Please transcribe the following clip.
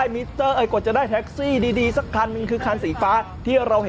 มิตเตอร์หรือเปล่า